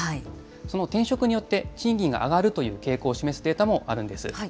その転職によって、賃金が上がるという傾向を示すデータもあるんです。